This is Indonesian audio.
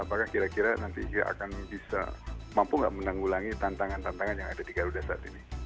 apakah kira kira nanti akan bisa mampu nggak menanggulangi tantangan tantangan yang ada di garuda saat ini